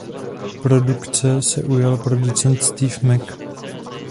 Produkce se ujal producent Steve Mac.